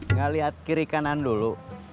nggak lihat kiri kanan dulu